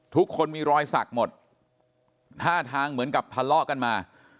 ทุกคนมีรอยสักหมดท่าทางเหมือนกับทะเลาะกันมา